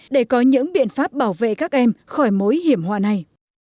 để có những biện pháp bảo vệ các em khỏi mối hiểm họa này